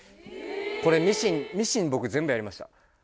これミシン僕全部やりました。